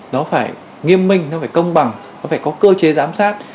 nó phải nghiêm minh nó phải công bằng nó phải có cơ chế giám sát